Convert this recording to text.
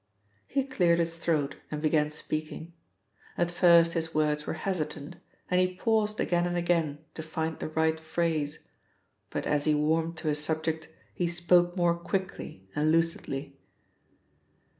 He cleared his throat and began speaking. At first his words were hesitant and he paused again and again to find the right phrase, but as he warmed to his subject he spoke more quickly and lucidly.